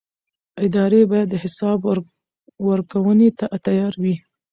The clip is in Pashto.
ادارې باید حساب ورکونې ته تیار وي